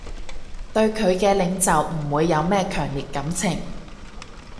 對佢嘅領袖唔會有咩強烈感情